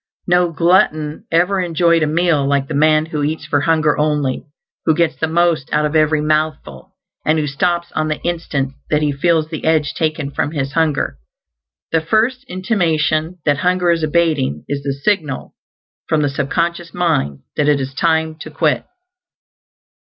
No glutton ever enjoyed a meal like the man who eats for hunger only, who gets the most out of every mouthful, and who stops on the instant that he feels the edge taken from his hunger. The first intimation that hunger is abating is the signal from the sub conscious mind that it is time to quit.